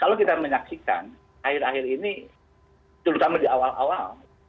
kalau kita menyaksikan akhir akhir ini terutama di awal awal